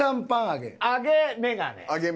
上げメガネ。